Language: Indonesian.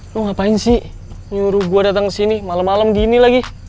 lo ngapain sih nyuruh gue dateng kesini malem malem gini lagi